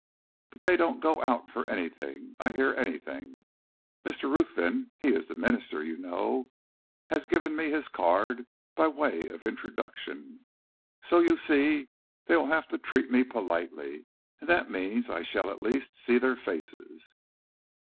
But they don't go out for anything, I hear, anything. Mr. Ruthven he is the minister you know has given me his card by way of introduction; so you see they will have to treat me politely, and that means I shall at least see their faces."